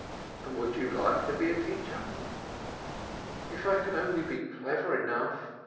"And would you like to be a teacher?" "If I could only be clever enough!"